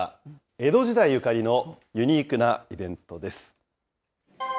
江戸時代ゆかりのユニークなイベントです。